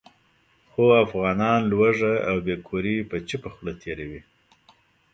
خو افغانان لوږه او بې کوري په چوپه خوله تېروي.